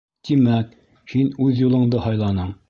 Тимәк, һин үҙ юлыңды һайланың.